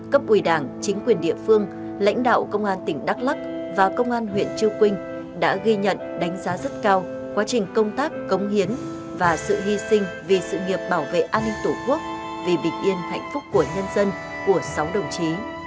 các đồng chí đại diện cấp ủy chính quyền địa phương lãnh đạo công an tỉnh đắk lắc và công an huyện trừ quynh đã ghi nhận đánh giá rất cao quá trình công tác công hiến và sự hy sinh vì sự nghiệp bảo vệ an ninh tổ quốc vì bình yên hạnh phúc của nhân dân của sáu đồng chí